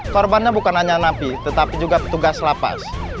korbannya bukan hanya napi tetapi juga petugas lapas